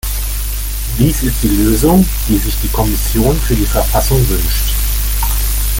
Dies ist die Lösung, die sich die Kommission für die Verfassung wünscht.